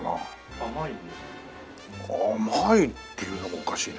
甘いっていうのもおかしいな。